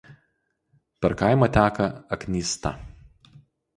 Per kaimą teka Aknysta.